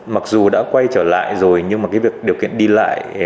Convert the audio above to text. mặc dù đã quay trở lại rồi nhưng điều kiện đi lại